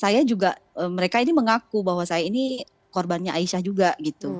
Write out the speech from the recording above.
saya juga mereka ini mengaku bahwa saya ini korbannya aisyah juga gitu